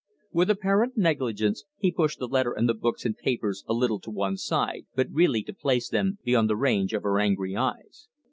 With apparent negligence he pushed the letter and the books and papers a little to one side, but really to place them beyond the range of her angry eyes.